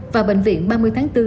và bệnh viện ba mươi tháng bốn